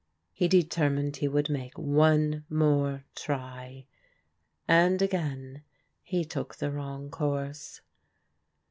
He 3etermined he would make one more try, and again he took the wrong course.